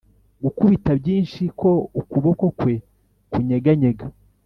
gukubita byinshi, ko ukuboko kwe kunyeganyega.